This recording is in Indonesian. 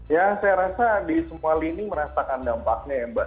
ya saya rasa di semua lini merasakan dampaknya ya mbak